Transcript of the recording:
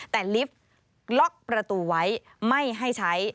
แต่ลิฟต์ล็อกประตูไว้ไม่ให้ใช้